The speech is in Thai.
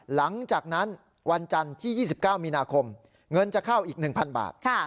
หลังจากนั้นวันจันทร์ที่๒๙มีนาคมเงินจะเข้าอีก๑๐๐บาท